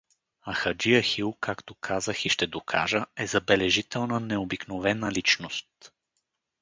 А хаджи Ахил, както казах и ще докажа, е забележителна, необикновена личност.